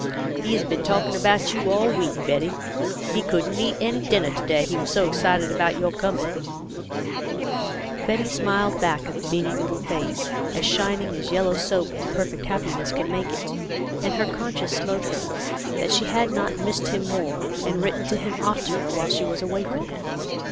"He has been talking about you all week, Betty. He couldn't eat any dinner to day, he was so excited about your coming." Betty smiled back at the beaming little face, as shining as yellow soap and perfect happiness could make it, and her conscience smote her that she had 36 THE LITTLE COLONEL'S IfOLlDA K9. not missed him more, and written to him oftener while she was away from him.